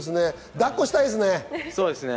抱っこしたいですね。